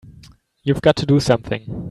You've got to do something!